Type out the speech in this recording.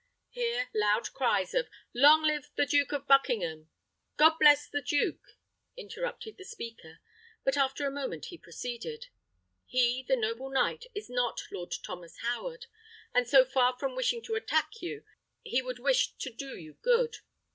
Here loud cries of "Long live the Duke of Buckingham!" "God bless the duke!" interrupted the speaker; but after a moment he proceeded. "He, the noble knight, is not Lord Thomas Howard; and so far from wishing to attack you, he would wish to do you good.